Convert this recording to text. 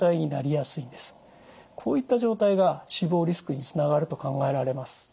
こういった状態が死亡リスクにつながると考えられます。